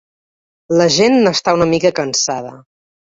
La gent n’està una mica cansada.